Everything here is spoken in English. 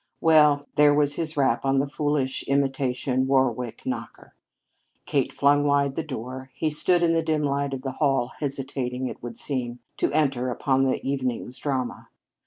Well, there was his rap on the foolish imitation Warwick knocker. Kate flung wide the door. He stood in the dim light of the hall, hesitating, it would seem, to enter upon the evening's drama.